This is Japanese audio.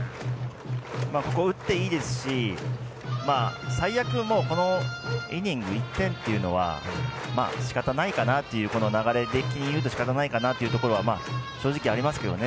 ここを打っていいですし最悪、このイニング１点というのは流れ的に言うとしかたないかなというところは正直ありますけどね。